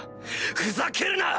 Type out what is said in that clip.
ふざけるな！